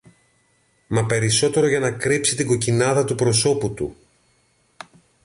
μα περισσότερο για να κρύψει την κοκκινάδα του προσώπου του.